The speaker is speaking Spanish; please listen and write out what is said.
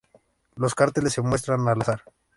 Los carteles se muestra al azar.